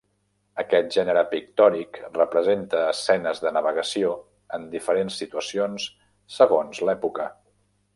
Aquest gènere pictòric representa escenes de navegació en diferents situacions segons l'època.